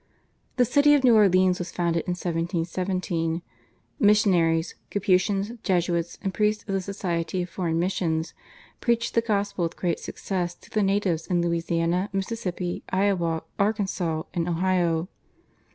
The city of New Orleans was founded in 1717. Missionaries Capuchins, Jesuits, and priests of the Society for Foreign Missions preached the gospel with great success to the natives in Louisiana, Mississippi, Iowa, Arkansas, and Ohio.